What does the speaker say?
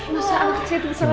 masalahnya kemana ya